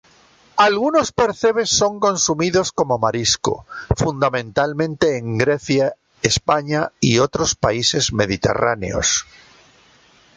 Algunos percebes son consumidos como marisco, fundamentalmente en Grecia, España y otros países mediterráneos.